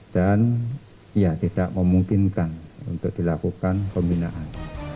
dan ya tidak memungkinkan untuk dilakukan pembinaan